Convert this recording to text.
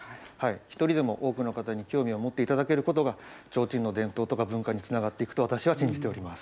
一人でも多くの方に興味を持っていただけることが、ちょうちんの伝統とか文化につながっていくと私は信じております。